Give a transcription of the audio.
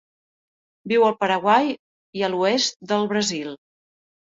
Viu al Paraguai i a l'oest del Brasil.